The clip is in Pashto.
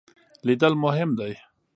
لیدل مهم دی.